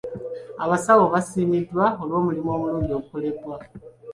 Abasawo baasiimiddwa olw'omulimu omulungi ogukoleddwa.